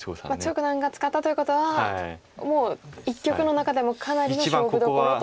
張九段が使ったということはもう一局の中でもかなりの勝負どころという。